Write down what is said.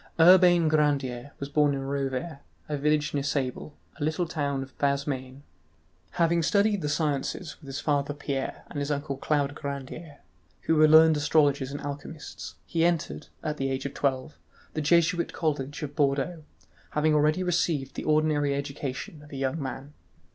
Urbain Grandier was born at Rovere, a village near Sable, a little town of Bas Maine. Having studied the sciences with his father Pierre and his uncle Claude Grandier, who were learned astrologers and alchemists, he entered, at the age of twelve, the Jesuit college at Bordeaux, having already received the ordinary education of a young man.